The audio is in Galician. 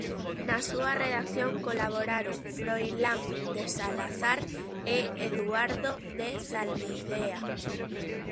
Na súa redacción colaboraron Froilán de Salazar e Eduardo de Zalbidea.